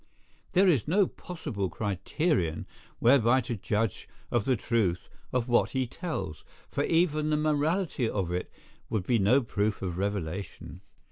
There is no possible criterion whereby to judge of the truth of what he tells; for even the morality of it would be no proof of revelation.